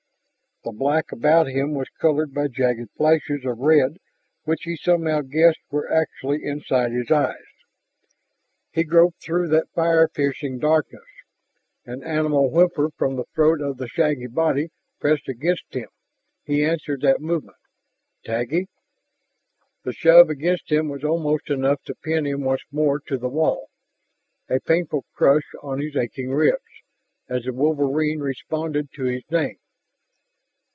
The black about him was colored by jagged flashes of red which he somehow guessed were actually inside his eyes. He groped through that fire pierced darkness. An animal whimper from the throat of the shaggy body pressed against him; he answered that movement. "Taggi?" The shove against him was almost enough to pin him once more to the wall, a painful crush on his aching ribs, as the wolverine responded to his name.